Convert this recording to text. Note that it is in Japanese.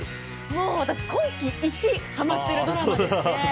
もう、私今季一、はまってるドラマですね。